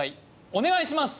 お願いします